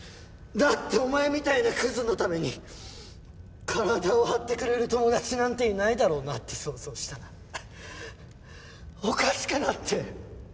だってお前みたいなクズのために体を張ってくれる友達なんていないだろうなって想像したらおかしくなって。